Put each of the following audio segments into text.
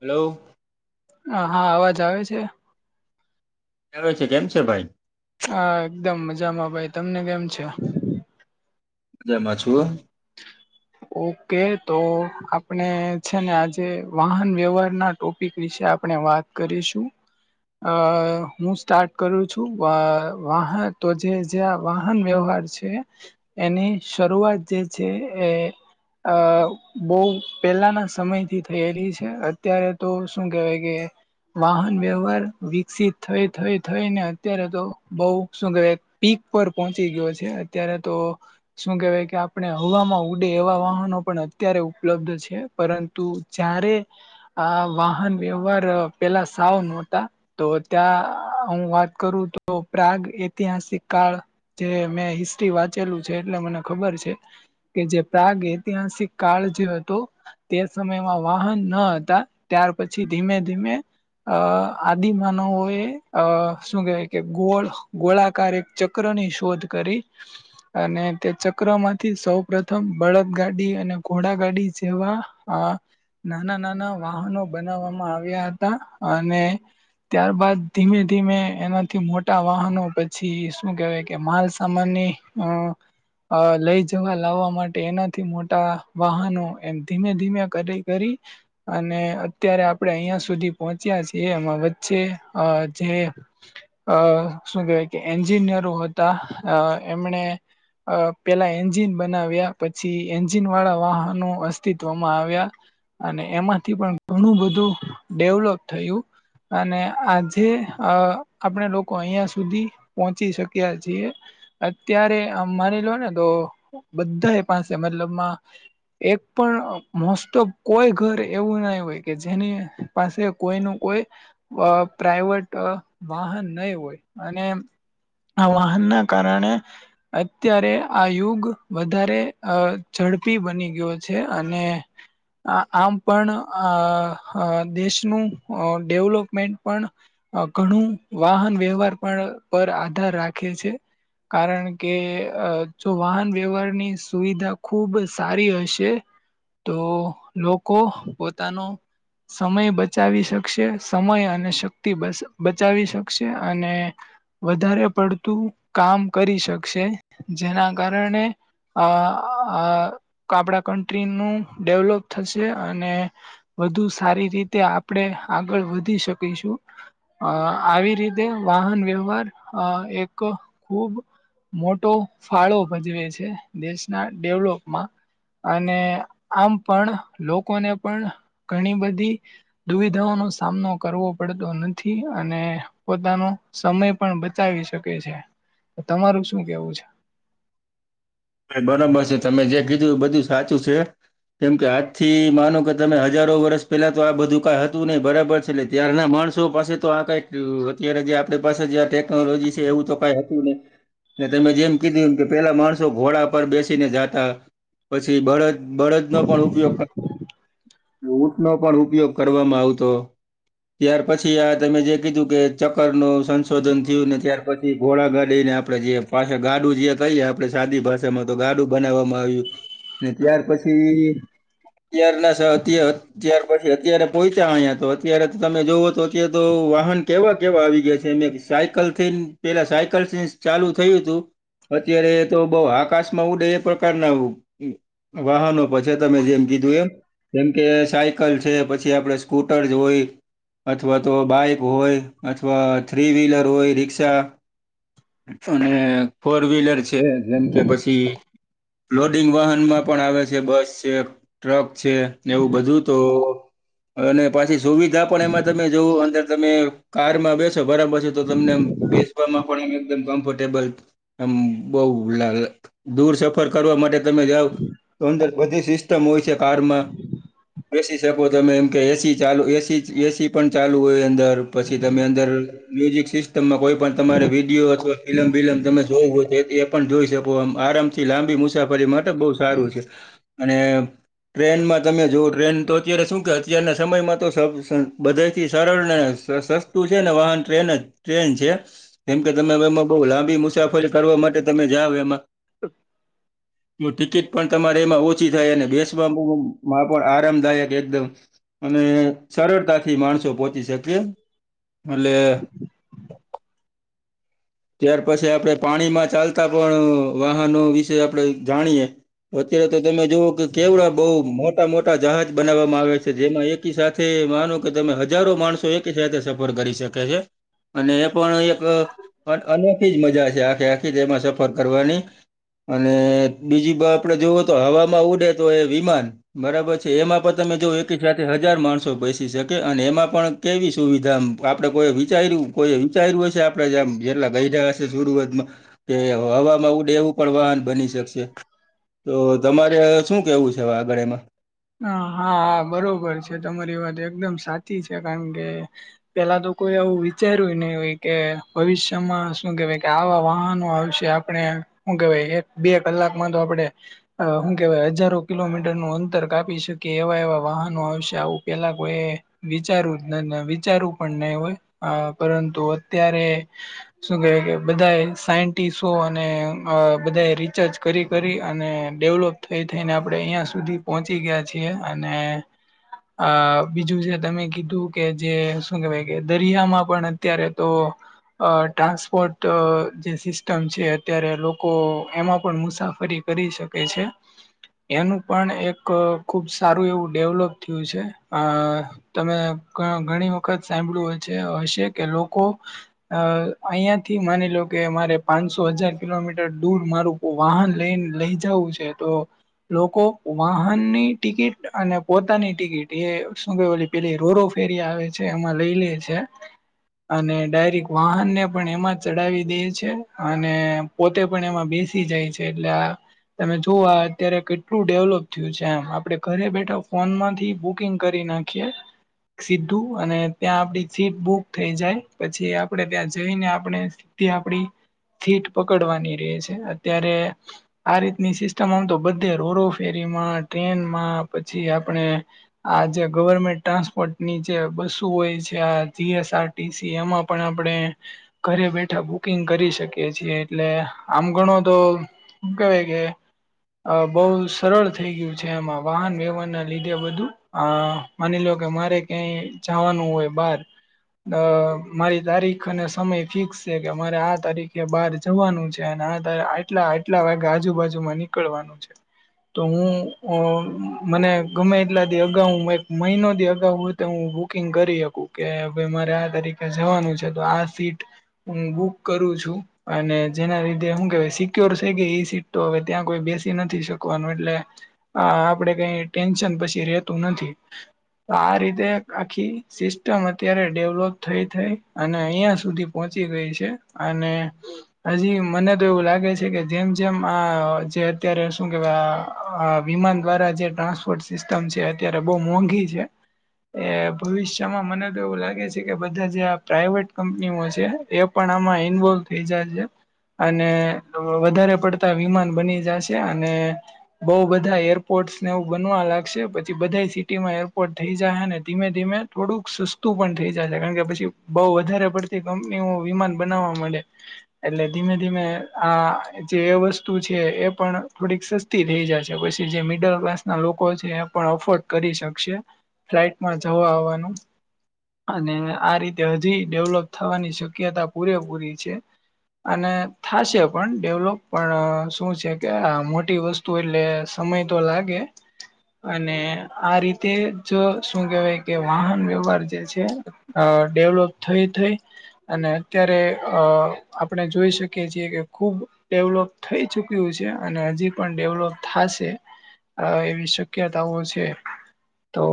Hello. હા હા અવાજ આવે છે. આવે છે કેમ છે ભાઈ હા એકદમ મજામાં ભાઈ તમને કેમ છે? મજામાં છું હા. ઓકે તો આપણે છે ને આજે વાહન વ્યવહારના ટોપિક વિશે આપણે વાત કરીશું અ હું સ્ટાર્ટ કરું છું અ વાહન તો જે જે વાહન વ્યવહાર છે એની શરૂઆત જે છે એ અ બઉ પેલાના સમયથી થયેલી છે અત્યારે તો શું કેહેવાય કે વાહન વ્યવહાર વિકસિત થઈ થઈ થઈ ને અત્યારે તો બોવ સુુ કેવાય પીક પર પહોંચી ગયો છે અત્યારે તો શું કેવાય કે આપણે હવામાં ઉડે એવા વાહનો પણ અત્યારે ઉપલબ્ધ છે પરંતુ જ્યારે આ વાહન વ્યવહાર પેલા સાવ નતા તો ત્યાં હું વાત કરું તો પ્રાગ ઐતિહાસિક કાળ જે મેં હિસ્ટ્રી વાંચેલું છે એટલે મને ખબર છે. કે જે પ્રાગ ઐતિહાસિક કાળ જે હતો તે સમયમાં વાહન ન હતા ત્યાર પછી ધીમે ધીમે અ આદિમાનવઓ અ શું કેહેવાય કે ગોળ ગોળાકારે ચક્રની શોધ કરી અને તે ચક્રમાં થી સૌ પ્રથમ બળદગાડી અને ઘોડા ગાડી જેવા આ નાના નાના વાહનો બનાવવામાં આવ્યા હતા અને ત્યાર બાદ ધીમે ધીમે એનાથી મોટા વાહનો પછી શું કેહેવાય કે માલસામાનની હ હ લઈ જા વા લાવવા માટે એનાથી મોટા વાહનો એમ ધીમે ધીમે કરી કરી અને અત્યારે આપણે અહિયાં સુધી પહોંચ્યા છીએ એમાં વચ્ચે અ જે અ શું કેહેવાય કે એન્જિનિયરો હતા અ એમણે અ પેલા એ જીન બનાવ્યા પછી એન્જિન વાળા વાહનો અસ્તિત્વમાં આવ્યા. અને એમાંથી પણ ઘણું બધું ડેવલોપ થયું. અને આજે અ આપણે લોકો અયા સુધી પહોંચી શક્યા છીએ અત્યારે આમ માની લો ને તો બધ્ધાએ પાસે મતલબમાં એક પણ મોસ્ટોફ કોઈ ઘર એવું નય હોય કે જેની પાસે કોઈનું કોઈ અ પ્રાઈવટ વાહન નઇ હોય અને આ વાહન ના કારણે અત્યારે આ યુગ વધારે અ ઝડપી બની ગ્યો છે. અને આ આમ પણ આઅ દેશનું ડેવલોપમેન્ટ પણ અ ઘણું વાહન વ્યવહાર પણ પર આધાર રાખે છે. કારણ કે અ જો વાહન વ્યવહારની સુવિધા ખુબ સારી હશે તો લોકો પોતાનો સમય બચાવી શકશે સમય અને શક્તિ બસ બચાવી શકશે અને વધારે પડતું કામ કરી શકશે જેના કારણે અ આ આપડા કન્ટ્રીનું ડેવલોપ થશે અને વધુ સારી રીતે આપણડે આગળ વધી શકીશું. અ આવી રીતે વાહન વ્યવહાર અ એક ખૂબ મોટો ફાળો ભજવે છે દેશના ડેવલોપમાં. અને આમ પણ લોકોને પણ ઘણી બધી દુવિધાઓનો સામનો કરવો પડતો નથી અને પોતાનો સમય પણ બચાવી શકે છે તો તમારું શું કેવું છે. એ બરાબર છે તમે જે કીધું એ બધું સાચું છે. કેમ કે આજથી માનો કે તમે હજારો વરસપેલા તો આ બધું કઈ હતું નહિ બરાબર છે એટલે ત્યાર ના માણસો પાસે તો આ કઈક અત્યારે જે આપણી પાસે જે આ ટેકનોલોજી છે એવું તો કઈ હતું નહી. અને તમે જેમ કીધું એમ કે પેલા માણ સો ઘોડા પર બેસીને જાતા પછી બળદ બળદનો પણ ઉપયોગ ક ઊંટ નો પણ ઉપયોગ કરવામાં આવતો. ત્યાર પછી આ તમે જે કીધું કે ચક્કર નો સં શોધન થ્યું ને ત્યાર પછી ઘોડાગાડીને આપડે જે પાછા ગાડું જે કહીએ આ પડે સાદી ભાષામાં તો ગાડું બનાવવામાં આવ્યું અને ત્યાર પછી ત્યારના [unintelligible] પછી અત્યારે પોહચ્યા આ્યા તો અત્યારે તો તમે જોઓ તો અત્યારે તો વાહન કેવા કેવા આવી ગ્યા છે ને સાયકલ થીન પેલા સાયકલથી ચાલુ થયું હતું અત્યારે તો બઉ હાકાશમાં ઉડે એ પ્રકારના વ ઉહ વાહનો પછે તમે જેમ કીધું એમ. જેમકે સાયકલ છે પછી આપડે સ્કૂટર જે હોય અથવા તો બાઈક હોય અથવા થ્રી વ્હીલર હોય રિક્ષા ફુલને ફોર વ્હીલર છે જેમ કે પછી લોડિંગ વાહનમાં પણ આવે છે બસ છે ટ્રક છે એવું બધું તો અને પાછી સુવિધા પણ એમાં તમે જોવો અંદર તમે કારમાં બેસો બરાબર છે તો તમને બેસવામાં પણ એમ એકદમ કમ્ફર્ટેબલ એમ બઉ લાગે દૂર સફર કરવા માટે તમે જાઓ તો અંદર બધી સિસ્ટમ હોય છે કારમાં. બેસી શકો, તમે એમ કે એસી ચાલુ એસી એસી પણ ચાલુ હોય અંદર. પછી તમે અંદર મ્યુઝિક સિસ્ટમમાં કોઈ પણ તમારે વિડીયો અથવા ફિલમ બિલમ તમે જોવું હોય તો પણ જોઈ શકો. આમ આરામથી લાંબી મુસાફરી મા તો બહુ સારું છે અને ટ્રેનમાં તમે જોઓ ટ્રેન તો અત્યારે શું કે અત્યારના સમયમાં તો બધાથી સરળને સસ્તું છે ને વાહન ટ્રેન જ ટ્રેન છે. કેમ કે તમે એમાં બઉ લાંબી મુસાફરી કરવા માટે તમે જાઓ એમાં. હ. તો ટિકિટ પણ તમારે એમાં ઓછી થાય અને બેસવામાં પણ આરામદાયક એકદમ અને સરળતાથી માણસો પોહોચી શકે, એટલે ત્યાર પછી આપણે પાણીમાં ચાલતા પણ વાહનો વિશે આપણે જાણીએ. અત્યારે તો તમે જોવ કે કેવડા બઉ મોટ મોટા -મોટા જહાજ બનાવવામાં આવે છે. જેમાં એકી સાથે માનો કે તમે હજારો માણસો એકી સાથે સફર કરી શક કે છે. અને એ પણ એક અનોખી જ મજા છે આખે આખી જ એમાં સફર કરવાની. અને બીજી બા આપણે જોવો તો હવામાં ઉડે તો એ વિમાન. બરાબર છે, એમાં પણ તમે કેઓ એકી સાથ થે હજાર માણસો બેસી શકે અને એમાં પણ કેવી સુવિધા આમ આપણે કોઈએ વિચાર્યું. કોઈએ વિચાર્યું હશે આપણે જેમ જેટલા ઘરડા [unintelligible] શરૂઆતમાં કે હવામાં ઉડે એવું પણ વાહન બની શકશે. તો તમારે હવે શું કેવું છે હવે આગળ એમાં. હ હા બરોબર છે, તમારી વાત એકદમ સાચી છે કારણ કે પેલાતો કોઈએ આવું વિચાર્યું નહિ હોય કે ભવિષ્યમાં શું કેવાય કે આવા વાહનો આવશે. આપણે શું કેવાય એક બે કલાકમાં તો આપડે અ હું કહેવાય હજારો કિલોમીટરનું અંતર કાપી શકે એવા -એવા વાહનો આવસે આવું પેલા કોઈએ વિચારું જ નન વિચારું પણ નહી હોય, પરંતુ અત્યારે શું કેવાય કે બધા સાયન્ટિસ્ટો અને બધા રિસર્ચ કરી -કરી અને ડેવલોપ થઈ -થઈને આપણે અહીંયા સુધી પહોંચી ગયા છીએ અને આ બીજુ જે તમે કીધું કે જે શું કેહેવાય કે દરિયામાં પણ અત્યારે તો અ ટ્રાન્સપોર્ટ જે સિસ્ટમ છે અત્યારે લોકો એમાં પણ મુસાફરી કરી શકે છે. એનું પણ એક અ ખૂબ સારું એવું ડેવલોપ થયું છે અ તમે ઘણી વખત સાંભળ્યું હ છે હશે કે લોકો અ અહિયાથી માની લો કે મારે પાંચસો હજાર કિલોમીટર દૂર મારું વાહન લઈન લઈ જવું છે તો લોકો વાહનની ટિકિટ અને પોતાની ટિકિટ એ શું કેવાય પેલી રોરોફેરીયા આવે છે. છે. એમાં લઈ લે છે. અને ડાયરેક વાહનને પણ એમાં ચડાવી દે છે. અને પોતે પણ એમાં બેસી જાય છે. એટલે આ તમે જોઓ અત્યારે કેટલું ડેવલોપ થીયું છે એમ. આપડે ઘરે બેઠા ફોનમાંથી બુકિંગ કરી નાખીએ. સીધું અને ત્યાં આપડી સીટ બુક થઈ જાય પછી આપણે ત્યાં જઈને આપણે ત્યાં આપડી સીટ પકડવાની રે છે. અત્યારે આ રીતની સિસ્ટમ આમ તો બધે રોરોફે તેમાં ટ્રેનમાં પછી આપણે આ જે ગવર્મેન્ટ ટ્રાન્સપોર્ટની ની જે બસો હોય છે આ G S R T C એમાં પણ આપણેે ઘરે બેઠા બુકિંગ કરી શકીએ છીએ એટલે આમ ગણોતો કેવાય કે અ બઉ સ સરળ થઈ ગયું છે આમાં વાહન વ્યવહારના લીધે બધું અં માની લ્યો કે મારે ક્યાંય જાવાનું હોય બાર અ મારી તારીખ અને સમય ફિક્સ છે કે મારે આ તારીખે બાર જવાનું છે અને આ તા આયટલા આયટલા વાગે આજુબાજુમાં નીકળવાનું છે. તો ઉં ઉં મને ગમે એટલા દિ અગાઉ એક મહિનો દિ અગાઉ કે ઉં બુકિંગ કરી હકું કે હવે મારે આ તારીખે જવાનું છે તો આ સીટ ઉં બુક કરું છું. અને જેના લીધે હું કેવાય સિક્યોર થઈ ગઈ એ સીટ તો હવે ત્યાં કોઈ બેસી નથી શકવાનું એટલે આ આપડે કંઈ ટેન્શન પછી રેતું નથી તો રીતે એક આખી સિસ્ટમ અત્યારે ડેવલોપ થઈ થઈ અને અઈયાં સુધી પહોંચી ગઈ છે અને અજી મને તો એવું લાગે છે કે જેમ જેમ આ જે અત્યારે શું કેવાય આ અ વિમાન દ્વારા જે ટ્રાન્સપોર્ટ સિસ્ટમ છે અત્યારે બઉ મોંઘી છે. એ ભવિષ્યમાં મને તો એવું લાગે છે કે બધા જે આ પ્રાાઈવેટ કંપનીઓ છે એ પણ આમાં ઇન્વોલ્વ થઈ જાજે અને વધારે પડતા વિમાન બની જાશે અને બઉ બધા એરપોર્ટ ને એવું બનવા લાગશે પછી બધાય સિટીમાં એરપોર્ટ થઈ જાહે ને ધીમે ધીમે થોડુંક સસ્તું પણ થઈ જાસે, કારણ કે પછી બઉ વધારે પડતી કંપનીઓ વિમાન બનાવવા માંડે એટલે ધીમે ધીમે આ જે એ વસ્તુ છે એ પણ થોડીક સસ્તી થઈ જાસે પછી જે મિડલ ક્લાસના લોકો છે એ પણ અફોર્ડ કરી શકશે ફ્લાઇટમાં જવા આવવાનું. અને આ રીતે હજી ડેવલોપ થવાની શક્યતા પૂરેપૂરી છે. અને થાશે પણ ડેવલોપ પણ શું છે કે આ મોટી વસ્ તુ એટલે સમય તો લાગે અને આ રીતે જો શું કેહવાય કે વાહન વ્યવહાર જે છે અ ડેવલોપ થઈ થઈ અને અત્યારે અ આપડે જોઈ શકીએ છીએ કે ખુબ ડેવલોપ થઈ ચુક્યું છે અને હજી પણ ડેવલોપ થાશે હા એવી શક્યતાઓ છે. તો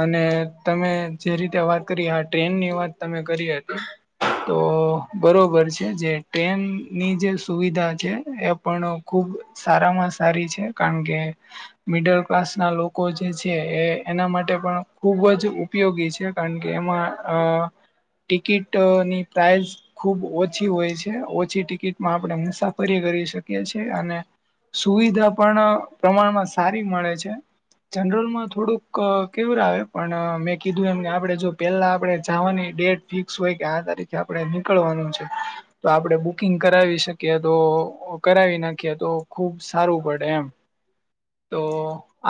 અને તમે જે રીતે વાત કરી આ ટ્રેનની વાત તમે કરી હતી તો બરોબર છે જે ટ્રેનની જે સુવિધા છે એ પણ ખુબ સારામાં સારી છે કાણ કે મિડલ ક્લાસના લોકો જે છે એ એના માટે પણ ખુબ જ ઉ પયોગી છે કાણ કે અ એમાં ટિકિટની પ્રાઇસ ખુબ ઓછી હોય છે ઓછી ટિકિટમાં આપણે મુસાફરી કરી શકીએ છે અને સુવિધા પણ પ્રમાણમાં સારી મળે છે. જનરલમાં થોડુંક કેવું આવે પણ મેં કીધું એમ કે આપડે જો પેલા આપડે જાવાની ડેટ ફિક્સ હોય કે આ તારીખે આપડે નીકળવાનું છે. તો આપડે બુકિંગ કરાવી શકીએ તો કરાવી નાખીએ તો ખુબ સારું પડે એમ તો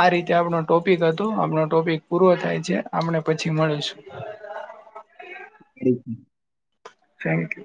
આ રીતે આપણો ટોપિક હતો આપનો ટોપિક પૂરો થાય છે આપણે પછી મળીશું. હમ હમ થેન્ક યુ.